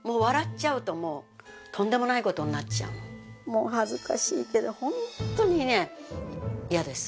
もう恥ずかしいけどホントにね嫌です。